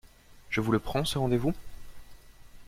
Je vous le prends, ce rendez-vous?